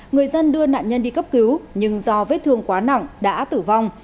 người dân đưa nạn nhân đi cấp cứu nhưng do vết thương quá nặng đã tử vong